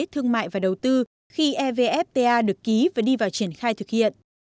thương mại và đầu tư khi evfta được ký và đi vào triển khai thực hiện